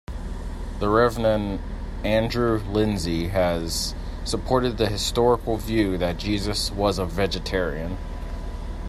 The Reverend Andrew Linzey has supported the historical view that Jesus was a vegetarian.